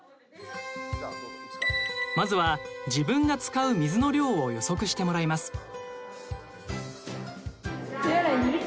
まずは自分が使う水の量を予測してもらいます。